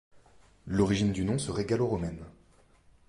L’origine du nom serait gallo-romaine.